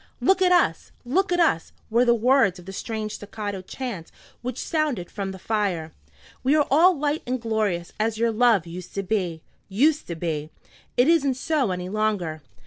"Look at us! look at us!" were the words of the strange staccato chant which sounded from the fire. "We are all light and glorious as your love used to be, used to be. It isn't so any longer."